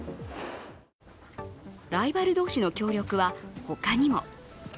ライバル同士の協力は、ほかにも。